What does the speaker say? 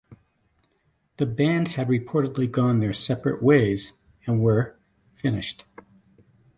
The band had reportedly gone their separate ways and were finished.